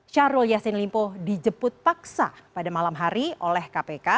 syahrul yassin limpo dijemput paksa pada malam hari oleh kpk